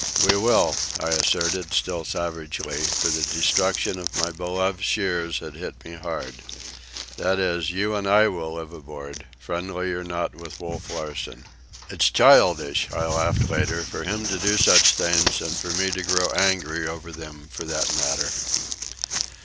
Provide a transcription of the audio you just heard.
"We will," I asserted, still savagely, for the destruction of my beloved shears had hit me hard. "That is, you and I will live aboard, friendly or not with Wolf Larsen." "It's childish," I laughed later, "for him to do such things, and for me to grow angry over them, for that matter."